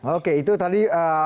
oke itu tadi